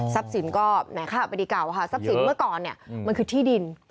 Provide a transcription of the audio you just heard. สินก็แหมค่าบดีเก่าค่ะทรัพย์สินเมื่อก่อนเนี่ยมันคือที่ดิน